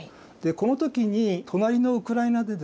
この時に隣のウクライナでですね